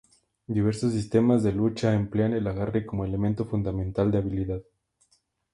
Diversos sistemas de lucha emplean el agarre como elemento fundamental de habilidad.